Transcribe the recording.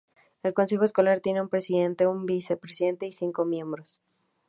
El consejo escolar tiene un presidente, un vicepresidente, y cinco miembros.